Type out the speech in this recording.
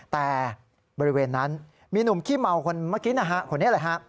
แต่บริเวณนั้นมีหนุ่มขี้เมาคนเมื่อกี้